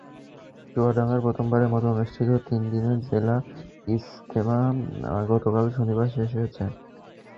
চুয়াডাঙ্গায় প্রথমবারের মতো অনুষ্ঠিত তিন দিনের জেলা ইজতেমা গতকাল শনিবার শেষ হয়েছে।